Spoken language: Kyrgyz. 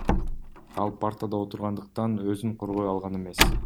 Ал партада отургандыктан өзүн коргой алган эмес.